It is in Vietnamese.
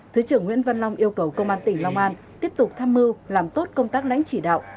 thứ trưởng nguyễn văn long yêu cầu công an tỉnh long an tiếp tục tham mưu làm tốt công tác lãnh chỉ đạo